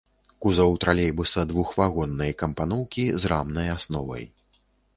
Кузаў тралейбуса двухвагоннай кампаноўкі з рамнай асновай.